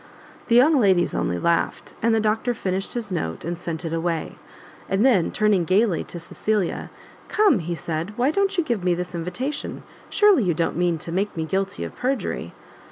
The young ladies only laughed, and the doctor finished his note, and sent it away; and then, turning gaily to Cecilia, "Come," he said, "why don't you give me this invitation? surely you don't mean to make me guilty of perjury?"